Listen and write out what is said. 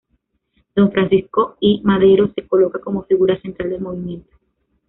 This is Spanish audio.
Don Francisco I. Madero, se coloca como figura central del movimiento.